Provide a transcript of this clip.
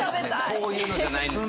そういうのじゃないんですね。